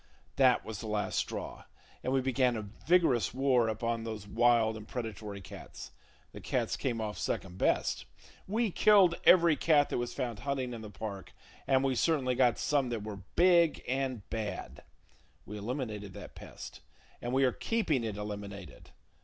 That was the last straw, and we began a vigorous war upon those wild and predatory cats. The cats came off second best. We killed every cat that was found hunting in the park, and we certainly got some that were big [Page 75] and bad. We eliminated that pest, and we are keeping it eliminated.